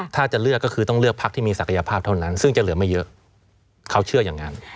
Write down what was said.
ถ้าจะเลือกก็คือต้องเลือกพักที่มีศักยภาพเท่านั้นซึ่งจะเหลือไม่เยอะเขาเชื่ออย่างนั้น